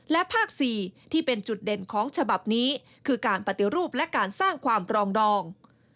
และภาค๔ที่เป็นจุดเด่นของฉบับนี้คือการปฏิรูปและการสร้างความปรองดอง